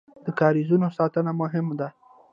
د کاریزونو ساتنه مهمه ده